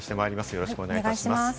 よろしくお願いします。